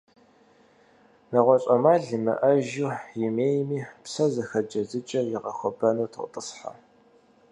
НэгъуэщӀ Ӏэмал имыӀэжу, имейми, псэ зыхэт джэдыкӀэр игъэхуэбэну тотӀысхьэ.